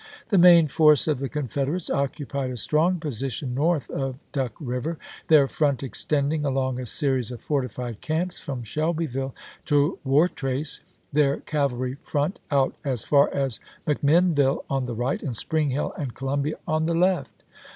The main force of the Confederates occupied a strong position north of Duck River, their front extending along a series of fortified camps from Shelbyville to Wartrace, their cavalry front out as far as McMinnville, on the right, and Spring Hill and Columbia, on the left.